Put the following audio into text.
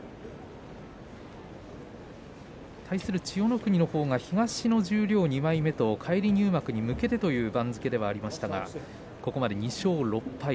対する千代の国は東の十両２枚目返り入幕に向けてという番付ではありましたがここまで２勝６敗。